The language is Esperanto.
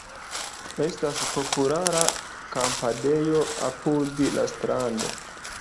Estas populara kampadejo apud la strando.